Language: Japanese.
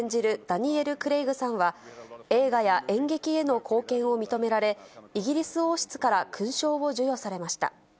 ダニエル・クレイグさんは、映画や演劇への貢献を認められ、イギリス王室から勲章を授与されました。